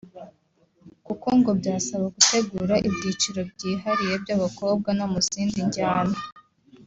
kuko ngo byasaba gutegura n’ibyiciro byihariye by’abakobwa no muzindi njyana